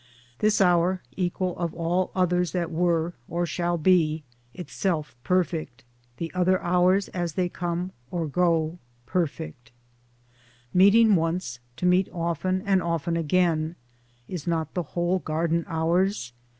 This hour, equal of all others that were or shall be, itself perfect : the other hours as they come or go, perfect. 98 Towards Democracy Meeting once, to meet often and often again (is not the whole garden ours?)